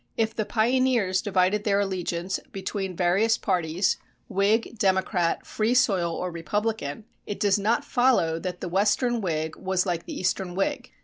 If the pioneers divided their allegiance between various parties, Whig, Democrat, Free Soil or Republican, it does not follow that the western Whig was like the eastern Whig.